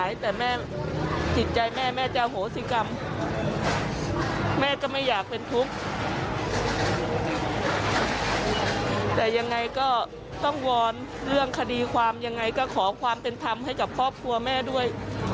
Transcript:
ยังไงก็ขอความเป็นธรรมให้กับครอบครัวแม่ด้วย